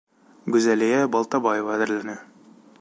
Гүзәлиә БАЛТАБАЕВА әҙерләне.